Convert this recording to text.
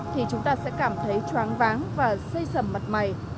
thì chúng ta sẽ cảm thấy choáng váng và say sầm mặt mày